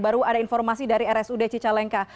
baru ada informasi dari rsud cicalengka